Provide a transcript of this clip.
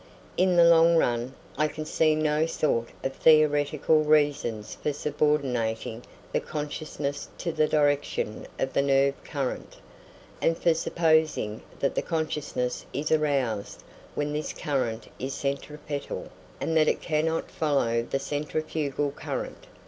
In the long run, I can see no sort of theoretical reason for subordinating the consciousness to the direction of the nerve current, and for supposing that the consciousness is aroused when this current is centripetal, and that it cannot follow the centrifugal current.